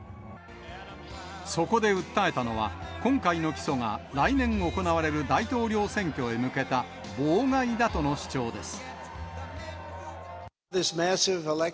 そこで訴えたのは、今回の起訴が来年行われる大統領選挙へ向けた妨害だとの主張です。